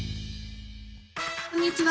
こんにちは。